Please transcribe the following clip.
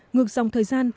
ngược dòng thời gian